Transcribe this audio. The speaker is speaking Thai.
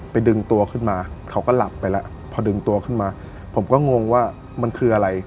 ดึงตัวขึ้นมาเขาก็หลับไปแล้วพอดึงตัวขึ้นมาผมก็งงว่ามันคืออะไร